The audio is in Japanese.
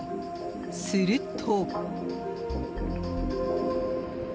すると。